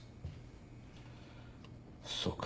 そうか。